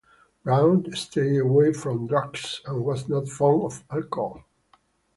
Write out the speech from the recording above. Brown stayed away from drugs and was not fond of alcohol.